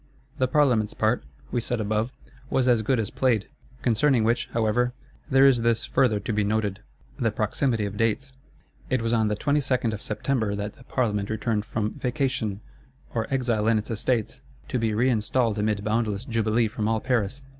The Parlements part, we said above, was as good as played. Concerning which, however, there is this further to be noted: the proximity of dates. It was on the 22nd of September that the Parlement returned from "vacation" or "exile in its estates;" to be reinstalled amid boundless jubilee from all Paris.